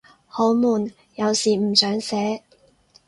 好悶，有時唔想寫